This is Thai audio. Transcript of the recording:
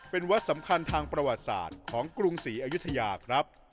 เป็นวัดสำคัญทางประวัติศาสตร์ของกรุงศรีอยุธยาครับ